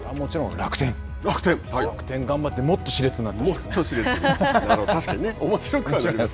楽天、頑張ってもっとしれつになってほしいです